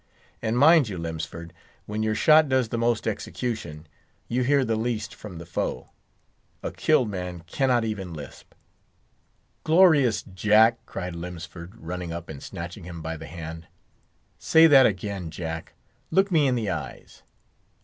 And mind you, Lemsford, when your shot does the most execution, your hear the least from the foe. A killed man cannot even lisp." "Glorious Jack!" cried Lemsford, running up and snatching him by the hand, "say that again, Jack! look me in the eyes.